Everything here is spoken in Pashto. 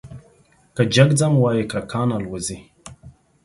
که جگ ځم وايي کرکان الوزوې ،